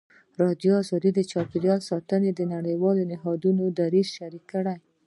ازادي راډیو د چاپیریال ساتنه د نړیوالو نهادونو دریځ شریک کړی.